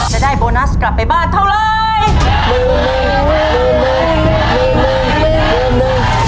จะได้โบนัสกลับไปบ้านเท่าไร